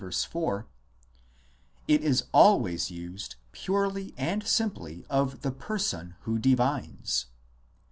4) it is always used purely and simply of the person who divines.